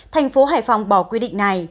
thành phố hải phòng bỏ quy định này